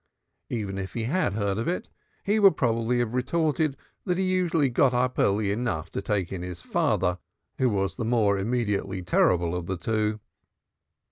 Even if he had heard of it, he would probably have retorted that he usually got up early enough to take in his father, who was the more immediately terrible of the two.